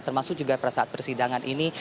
termasuk juga pada saat persidangan ini